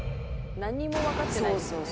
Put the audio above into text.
「何もわかってないですよね」